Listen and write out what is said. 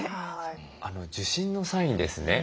受診の際にですね